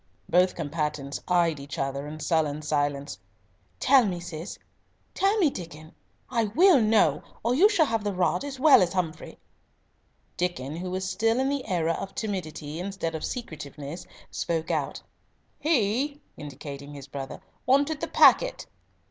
Both combatants eyed each other in sullen silence. "Tell me, Cis. Tell me, Diccon. I will know, or you shall have the rod as well as Humfrey." Diccon, who was still in the era of timidity, instead of secretiveness, spoke out. "He," indicating his brother, "wanted the packet."